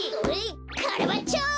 カラバッチョ！